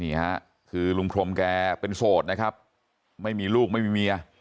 นี่ฮะคือลุงพรมแกเป็นโสดนะครับไม่มีลูกไม่มีเมีย